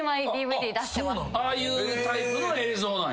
ああいうタイプの映像なんや。